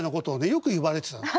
よく言われてたの。